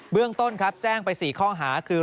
เบื้องต้นแจ้งไป๔ข้อหาคือ